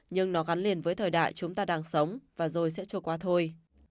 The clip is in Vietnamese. nhưng nó gắn liền với thời đại chúng ta đang sống và rồi sẽ trôi qua thôi